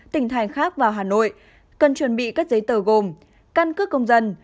tỉnh thành khác vào hà nội cần chuẩn bị các giấy tờ gồm căn cước công dân